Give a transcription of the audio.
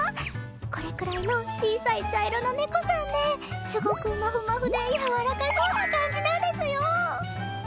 これくらいの小さい茶色の猫さんですごくまふまふでやわらかそうな感じなんですよ！